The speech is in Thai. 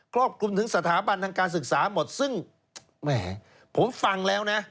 รอบคลุมถึงสถาบันทางการศึกษาหมดซึ่งแหมผมฟังแล้วนะ